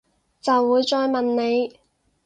就會再問你